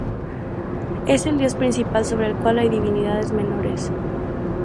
Es el dios principal sobre el cual hay divinidades menores.